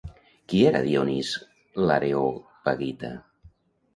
Qui era Dionís l'Areopagita?